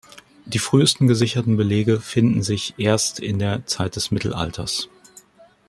Die frühesten gesicherten Belege finden sich erst in der Zeit des Mittelalters.